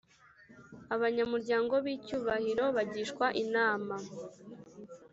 Abanyamuryango b icyubahiro bagishwa inama